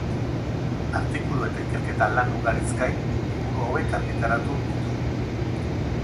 Artikulu eta ikerketa lan ugariz gain, liburu hauek argitaratu ditu.